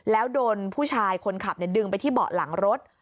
แล้วโดนผู้ชายคนขับดึงไปที่เบาะหลังรถ